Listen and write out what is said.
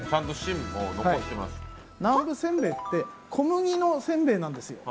南部せんべいって小麦のせんべいなんですよ。